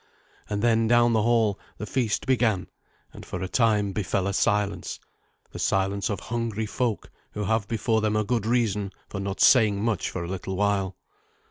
And then down the hall the feast began, and for a time befell a silence the silence of hungry folk who have before them a good reason for not saying much for a little while.